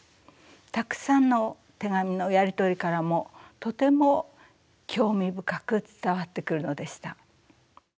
たくさんの手紙のやり取りからもとても興味深く伝わってくるのでした。